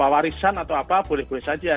warisan atau apa boleh boleh saja